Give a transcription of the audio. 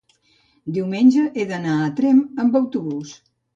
diumenge he d'anar a Tremp amb autobús.